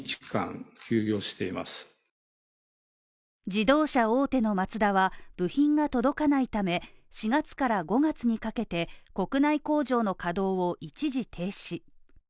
自動車大手のマツダは部品が届かないため、４月から５月にかけて国内工場の稼働を一時停止。